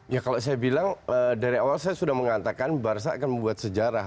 ya kalau saya bilang dari awal saya sudah mengatakan barca akan membuat sejarah